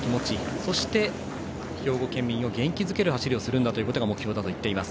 そして、兵庫県民を元気づける走りをするんだということが目標だと言っています。